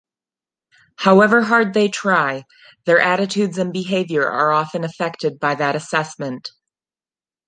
However hard they try, their attitudes and behaviour are often affected by that assessment.